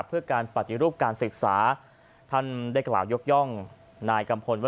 เพื่อการปฏิรูปการศึกษา